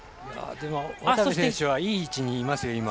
渡部選手はいい位置にいますよ。